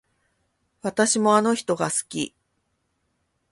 私もあの人が好き